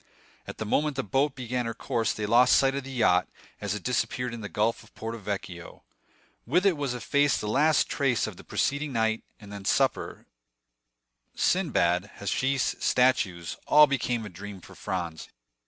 At the moment the boat began her course they lost sight of the yacht, as it disappeared in the gulf of Porto Vecchio. With it was effaced the last trace of the preceding night; and then supper, Sinbad, hashish, statues,—all became a dream for Franz.